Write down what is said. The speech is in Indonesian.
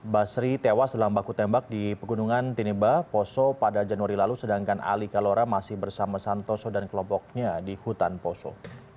basri tewas dalam baku tembak di pegunungan tineba poso pada januari lalu sedangkan ali kalora masih bersama santoso dan kelompoknya di hutan poso